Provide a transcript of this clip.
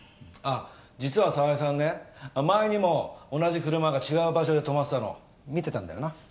あっ実は沢井さんね前にも同じ車が違う場所で停まってたの見てたんだよな？